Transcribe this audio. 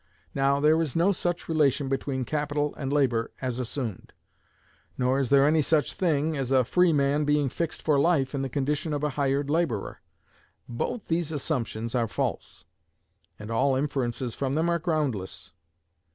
Now, there is no such relation between capital and labor as assumed; nor is there any such thing as a free man being fixed for life in the condition of a hired laborer. Both these assumptions are false, and all inferences from them are groundless.